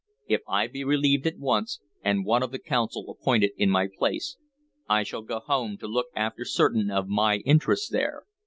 If I be relieved at once, and one of the Council appointed in my place, I shall go home to look after certain of my interests there.